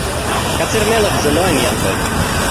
קציר מלח זה לא עניין זול